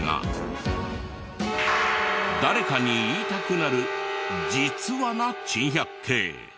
誰かに言いたくなる「実は」な珍百景。